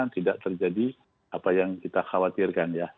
tidak terjadi apa yang kita khawatirkan ya